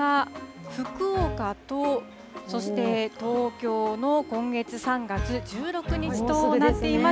最も早く咲きそうなのが福岡とそして東京の今月３月１６日となっています。